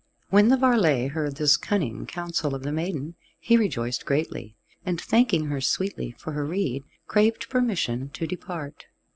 When the varlet heard this cunning counsel of the maiden, he rejoiced greatly, and thanking her sweetly for her rede, craved permission to depart.